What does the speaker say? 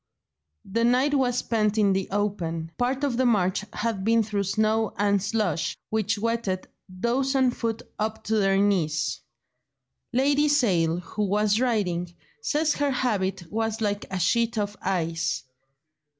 The night was spent in the open; part of the march had been through snow and slush, which wetted those on foot up to their knees. Lady Sale, who was riding, says her habit was like a sheet of ice.